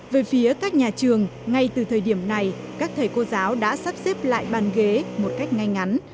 về phía các nhà trường ngay từ thời điểm này các thầy cô giáo đã sắp xếp lại bàn ghế một cách ngay ngắn